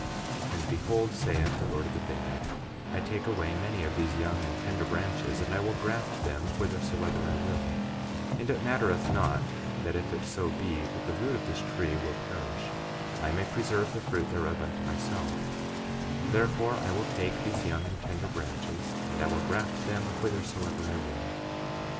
5:8 And behold, saith the Lord of the vineyard, I take away many of these young and tender branches, and I will graft them whithersoever I will; and it mattereth not that if it so be that the root of this tree will perish, I may preserve the fruit thereof unto myself; wherefore, I will take these young and tender branches, and I will graft them whithersoever I will.